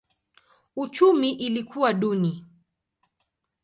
Uchumi ilikuwa duni.